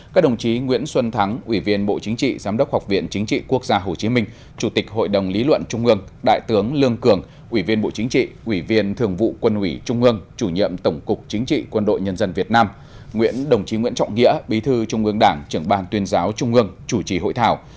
các đồng chí nguyễn xuân thắng ủy viên bộ chính trị giám đốc học viện chính trị quốc gia hồ chí minh chủ tịch hội đồng lý luận trung ương đại tướng lương cường ủy viên bộ chính trị ủy viên thường vụ quân ủy trung ương chủ nhiệm tổng cục chính trị quân đội nhân dân việt nam nguyễn đồng chí nguyễn trọng nghĩa bí thư trung ương đảng trưởng ban tuyên giáo trung ương chủ trì hội thảo